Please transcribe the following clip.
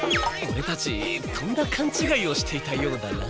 オレたちとんだかんちがいをしていたようだな。